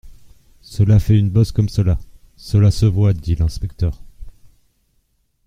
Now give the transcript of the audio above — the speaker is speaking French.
Cela fait une bosse comme cela, cela se voit, dit l'inspecteur.